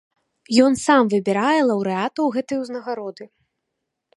Ён сам выбірае лаўрэатаў гэтай узнагароды.